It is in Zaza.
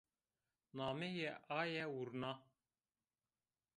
Nameyê aye vurna